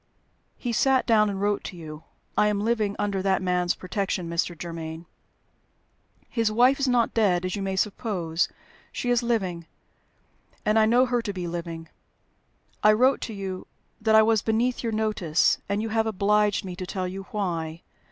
He sat down and wrote to you. I am living under that man's protection, Mr. Germaine. His wife is not dead, as you may suppose; she is living, and I know her to be living. I wrote to you that I was beneath your notice, and you have obliged me to tell you why.